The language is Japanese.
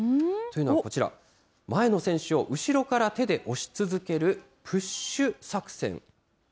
というのはこちら、前の選手を後ろから手で押し続ける、プッシュ作戦。